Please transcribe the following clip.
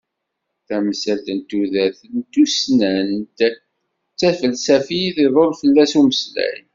Tamsalt n tudert, d tussnant, d tafelsafit, iḍul fell-as umeslay.